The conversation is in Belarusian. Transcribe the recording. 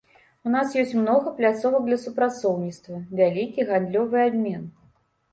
У нас ёсць многа пляцовак для супрацоўніцтва, вялікі гандлёвы абмен.